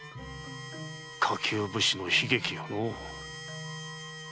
下級武士の悲劇よのう。